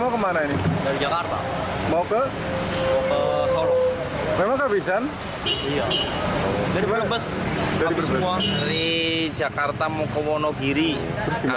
kenapa kamu dibuang pak